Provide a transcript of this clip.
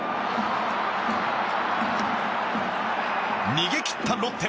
逃げ切ったロッテ。